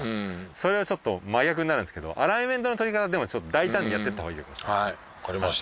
それをちょっと真逆になるんですけどアライメントの取り方でもちょっと大胆にやってったほうがいいかもしれないです。